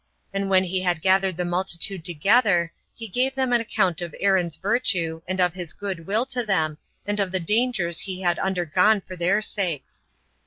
And when he had gathered the multitude together, he gave them an account of Aaron's virtue, and of his good will to them, and of the dangers he had undergone for their sakes.